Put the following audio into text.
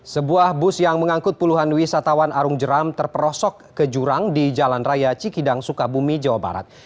sebuah bus yang mengangkut puluhan wisatawan arung jeram terperosok ke jurang di jalan raya cikidang sukabumi jawa barat